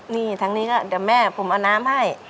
นี่ทางนี้ก็เดี๋ยวแม่ผมเอาน้ำให้